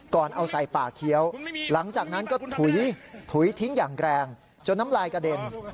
ก่อนเอาใส่ป่าเคี้ยวหลังจากนั้นก็ถุยทิ้งอย่างแรงจนน้ำลายกระเด็น